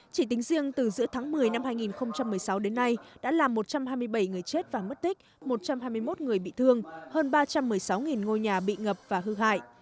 chỉ tính riêng từ giữa tháng một mươi năm hai nghìn một mươi sáu đến nay đã làm một trăm hai mươi bảy người chết và mất tích một trăm hai mươi một người bị thương hơn ba trăm một mươi sáu ngôi nhà bị ngập và hư hại